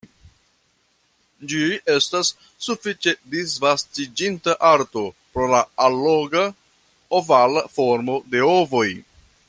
Ĝi estas sufiĉe disvastiĝinta arto pro la alloga, ovala formo de ovoj.